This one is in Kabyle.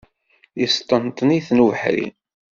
Yesṭenṭen-iten ubeḥri.